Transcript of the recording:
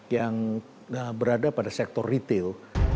yang berada pada sektor retail